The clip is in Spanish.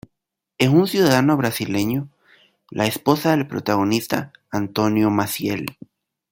En un ciudadano brasileño, la esposa del protagonista Antonio Maciel.